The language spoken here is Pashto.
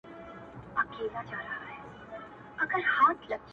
د زړه غوټه چي لارې ته ولاړه ده حيرانه;